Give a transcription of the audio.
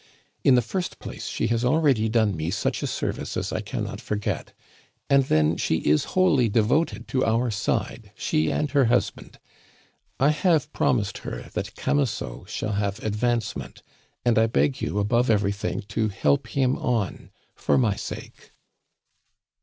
In the first place, she has already done me such a service as I cannot forget; and then she is wholly devoted to our side, she and her husband. I have promised that her Camusot shall have advancement, and I beg you above everything to help him on, for my sake."